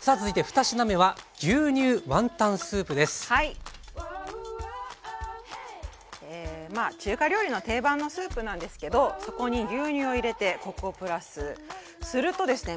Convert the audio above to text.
さあ続いて２品目は中華料理の定番のスープなんですけどそこに牛乳を入れてコクをプラスするとですね